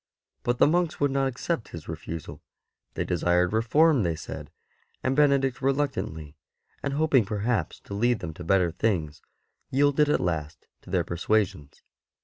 But the monks would not accept his refusal," they desired reform, they said; and Benedict reluctantly, and hoping perhaps to lead them to better things, yielded at last to their persuasions.